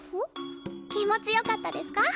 気持ち良かったですか？